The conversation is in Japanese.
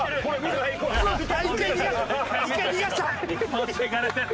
持っていかれてる。